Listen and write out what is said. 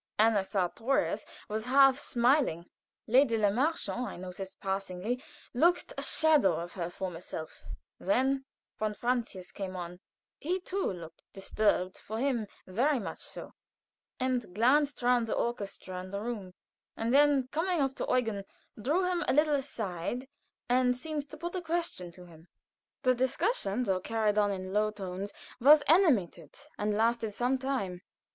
Anna Sartorius was half smiling. Lady Le Marchant, I noticed, passingly, looked the shadow of her former self. Then von Francius came on; he too looked disturbed, for him very much so, and glanced round the orchestra and the room; and then coming up to Eugen, drew him a little aside, and seemed to put a question to him. The discussion, though carried on in low tones, was animated, and lasted some time.